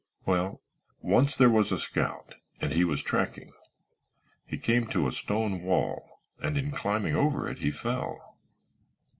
Well, once there was a scout and he was tracking. He came to a stone wall and in climbing over it he fell."